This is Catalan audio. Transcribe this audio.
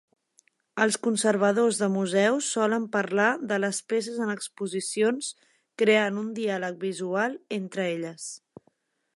Els conservadors de museus solen parlar de les peces en exposicions creant "un diàleg visual" entre elles.